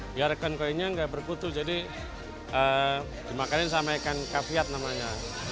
biar ikan koinya gak berkutu jadi dimakanin sama ikan kafiat namanya